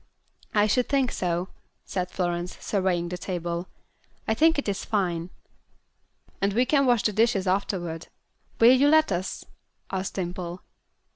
"I should think so," said Florence, surveying the table. "I think it is fine." "And we can wash the dishes afterward. Will you let us?" asked Dimple.